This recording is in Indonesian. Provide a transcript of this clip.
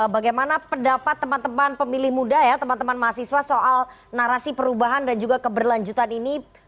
bagaimana pendapat teman teman pemilih muda ya teman teman mahasiswa soal narasi perubahan dan juga keberlanjutan ini